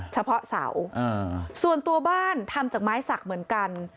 เฉพาะเสาส่วนตัวบ้านทำจากไม้สักเหมือนกัน